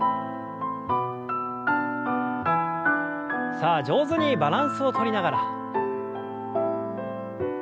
さあ上手にバランスをとりながら。